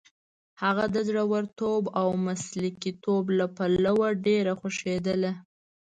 هغه د زړورتوب او مسلکیتوب له پلوه ډېره خوښېدله.